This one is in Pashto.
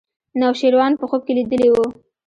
نوشیروان په خوب کې لیدلی و.